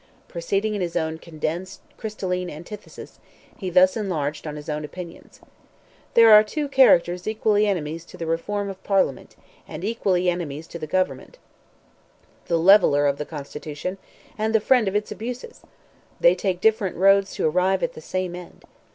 Proceeding in his own condensed, crystalline antithesis, he thus enlarged on his own opinions: "There are two characters equally enemies to the reform of Parliament, and equally enemies to the government—the leveller of the constitution, and the friend of its abuses; they take different roads to arrive at the same end.